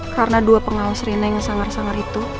karena dua pengawas reina yang sanggar sanggar itu